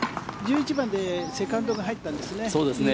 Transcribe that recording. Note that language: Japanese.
１１番でセカンドが入ったんですね。